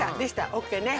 オッケーね。